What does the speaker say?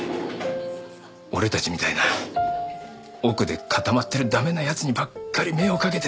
俺たちみたいな奥で固まってる駄目な奴にばっかり目をかけてた。